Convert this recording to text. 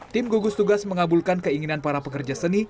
tim gugus tugas mengabulkan keinginan para pekerja seni